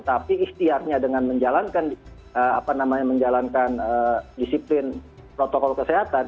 tapi istilahnya dengan menjalankan apa namanya menjalankan disiplin protokol kesehatan